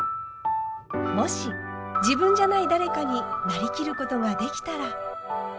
もし自分じゃない誰かになりきることができたら。